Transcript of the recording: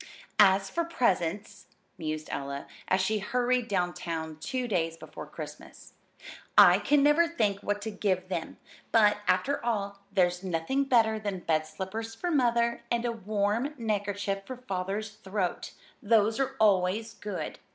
"As for presents," mused Ella, as she hurried downtown two days before Christmas, "I never can think what to give them; but, after all, there's nothing better than bed slippers for Mother, and a warm neckerchief for Father's throat. Those are always good."